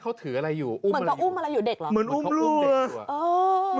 เขาถืออะไรอยู่อุ้มอะไรอยู่เหมือนเขาอุ้มอะไรอยู่เด็กเหรอ